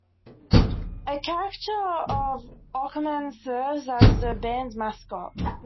A caricature of Aukerman serves as the band's mascot.